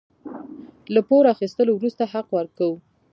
له پور اخيستو وروسته حق ورکوو.